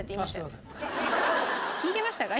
聞いてましたか？